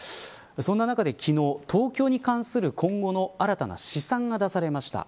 そんな中で昨日東京に関する今後の新たな試算が出されました。